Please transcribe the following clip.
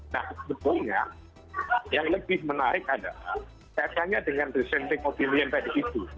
nah sebetulnya yang lebih menarik adalah kaitannya dengan dissenting opinion tadi itu